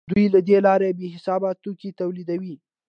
دوی له دې لارې بې حسابه توکي تولیدوي